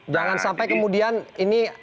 jangan sampai kemudian ini